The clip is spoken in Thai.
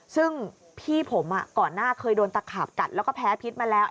ซึ่งพี่ผมก่อนหน้าเคยโดนตะขาบกัดแล้วก็แพ้พิษมาแล้ว